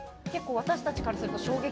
私たちからすると。